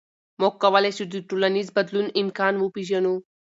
موږ کولی شو د ټولنیز بدلون امکان وپېژنو.